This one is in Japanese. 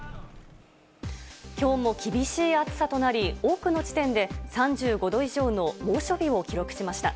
きょうも厳しい暑さとなり、多くの地点で３５度以上の猛暑日を記録しました。